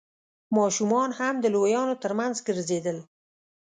ماشومان هم د لويانو تر مينځ ګرځېدل.